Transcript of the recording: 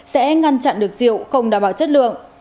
sẽ ngăn chặn được rượu không đảm bảo chất lượng